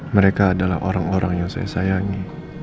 mereka adalah orang orang yang saya sayangi